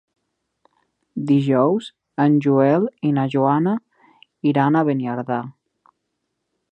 Dijous en Joel i na Joana iran a Beniardà.